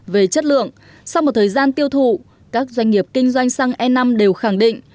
về chất lượng sau một thời gian tiêu thụ các doanh nghiệp kinh doanh xăng e năm đều khẳng định